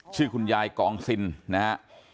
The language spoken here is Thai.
ชื่อคุณยายกองซินนะฮะ